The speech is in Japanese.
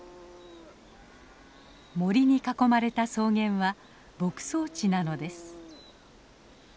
森に囲まれた草原は牧草地なのです。